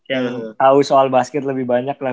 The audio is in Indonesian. yang tahu soal basket lebih banyak lah